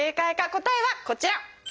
答えはこちら。